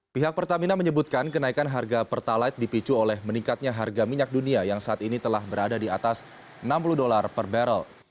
pihak pertamina menyebutkan kenaikan harga pertalite dipicu oleh meningkatnya harga minyak dunia yang saat ini telah berada di atas enam puluh dolar per barrel